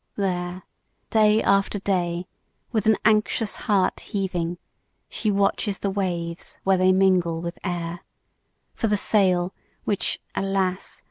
There, day after day, with an anxious heart heaving, She watches the waves where they mingle with air; For the sail which, alas!